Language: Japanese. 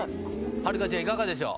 はるかちゃんいかがでしょう？